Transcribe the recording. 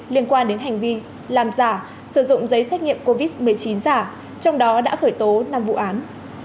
liên quan đến hành vi làm giả sử dụng giấy xét nghiệm covid một mươi chín giả trong đó đã khởi tố năm vụ án